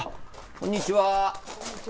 こんにちは。